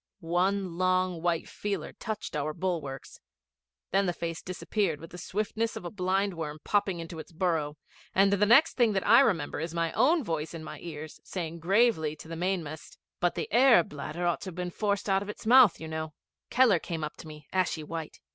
One long white feeler touched our bulwarks. Then the face disappeared with the swiftness of a blindworm popping into its burrow, and the next thing that I remember is my own voice in my own ears, saying gravely to the mainmast, 'But the air bladder ought to have been forced out of its mouth, you know.' Keller came up to me, ashy white.